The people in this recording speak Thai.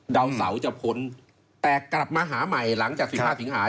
ดาวเสาจะพ้นแต่กลับมาหาใหม่หลังจาก๑๕สิงหา